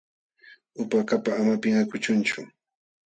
Upa akapa ama pinqakuchunchu.